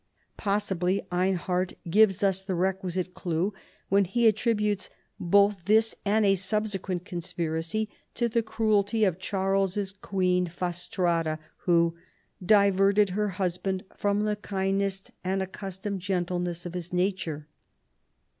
Possibly Einhard gives us the requisite clue when he attributes both this and a subsequent conspiracy to the cruelty of Charles's queen Fastrada who " diverted her husband from the kindness and accustomed gentleness of his nature."